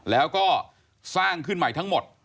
แล้วก็สร้างขึ้นใหม่ทั้งหมด